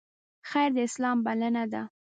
خیر د اسلام بلنه ده